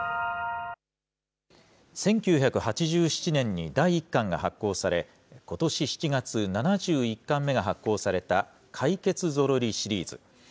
１９８７年に第１巻が発行され、ことし７月、７１巻目が発行された、かいけつゾロリシリーズ。